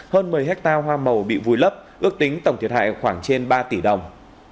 hơn một mươi hectare hoa màu bị vùi lấp ước tính tổng thiệt hại khoảng trên ba tỷ đồng